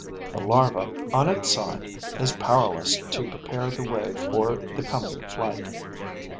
The larva, on its side, is powerless to prepare the way for the coming flight.